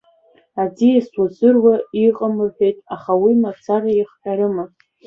Аӡиас узыруа иҟам рҳәеит аха, уи мацара иахҟьарыма?